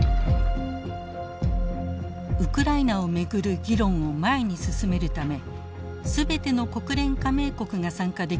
ウクライナを巡る議論を前に進めるため全ての国連加盟国が参加できる公開討論を開くことにしたのです。